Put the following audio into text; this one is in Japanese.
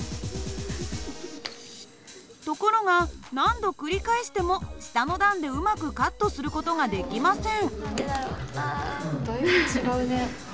ところが何度繰り返しても下の段でうまくカットする事ができません。